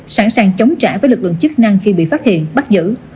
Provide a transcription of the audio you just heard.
sẵn sàng chống trả với lực lượng chức năng khi bị phát hiện bắt giữ